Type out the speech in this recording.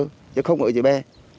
chứ không ở dưới bè